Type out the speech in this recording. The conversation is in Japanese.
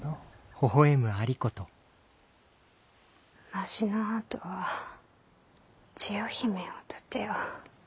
わしのあとは千代姫を立てよ。